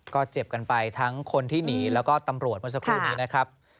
ก็เจ็บกันไปทั้งคนที่หนีแล้วก็ตำรวจเมื่อสักครู่นี้นะครับ